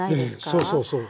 ええそうそうそう。